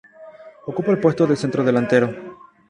Ocupa el puesto de centrodelantero.